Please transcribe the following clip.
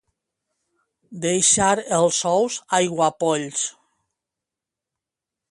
Deixar els ous aiguapolls.